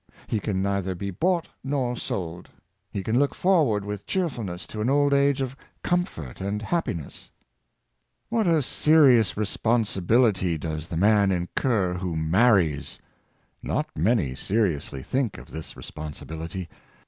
He can neither be bought nor sold. He can look forward with cheerful ness to an old age of comfort and happiness. What a serious responsibility does the man incur who marries! Not many seriously think of this re sponsibility.